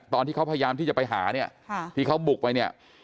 ตอนที่เขาพยายามที่จะไปหาเนี่ยที่เขาบุกไปเนี่ย